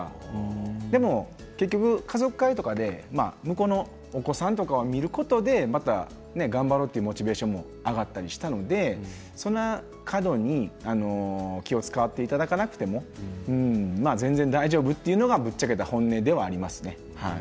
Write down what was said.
でも家族会で向こうのお子さんとかを見ることで頑張ろうというモチベーションが上がったりしたので過度に気を遣っていただかなくても全然、大丈夫というのはぶっちゃけた本音ではあります。